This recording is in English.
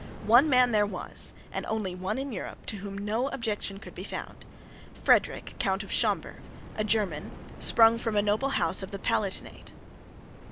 One man there was, and only one in Europe, to whom no objection could be found, Frederic, Count of Schomberg, a German, sprung from a noble house of the Palatinate.